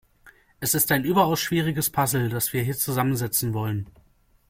Es ist ein überaus schwieriges Puzzle, das wir hier zusammensetzen wollen.